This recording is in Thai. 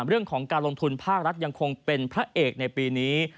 เรื่องของการลงทุนภาครัฐยังคงเป็นพระเอกในปีนี้